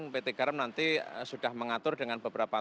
pt garam nanti sudah mengatur dengan beberapa